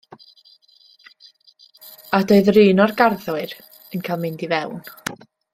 A doedd 'run o'r garddwyr yn cael mynd i fewn.